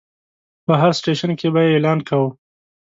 په هر سټیشن کې به یې اعلان کاوه.